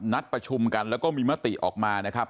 นัดประชุมกันแล้วก็มีมติออกมานะครับ